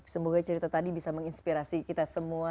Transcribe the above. semoga cerita tadi bisa menginspirasi kita semua